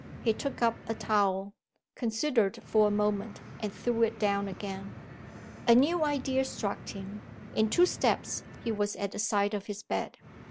He took up a towel; considered for a moment; and threw it down again. A new idea struck him. In two steps he was at the side of his bed.